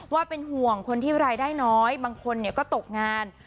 ว่าเป็นห่วงคนที่รายได้น้อยบางคนก็ตกงาน